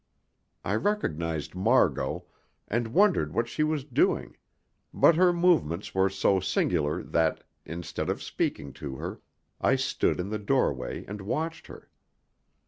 I recognised Margot, and wondered what she was doing, but her movements were so singular that, instead of speaking to her, I stood in the doorway and watched her.